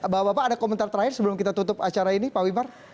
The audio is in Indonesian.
bapak bapak ada komentar terakhir sebelum kita tutup acara ini pak wimar